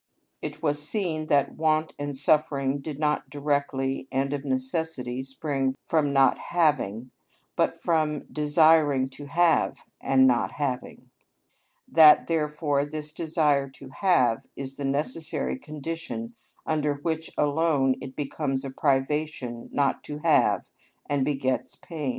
It was seen that want and suffering did not directly and of necessity spring from not having, but from desiring to have and not having; that therefore this desire to have is the necessary condition under which alone it becomes a privation not to have and begets pain.